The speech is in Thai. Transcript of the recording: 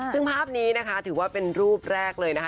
ซึ่งภาพนี้นะคะถือว่าเป็นรูปแรกเลยนะคะ